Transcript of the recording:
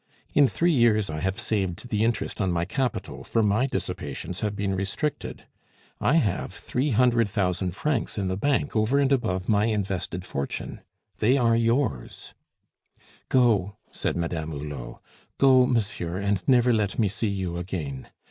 In three years I have saved the interest on my capital, for my dissipations have been restricted. I have three hundred thousand francs in the bank over and above my invested fortune they are yours " "Go," said Madame Hulot. "Go, monsieur, and never let me see you again.